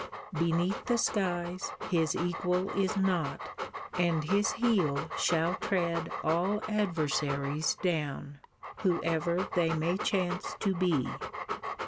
Beneath the skies His equal is not, and his heel Shall tread all adversaries down, Whoever they may chance to be.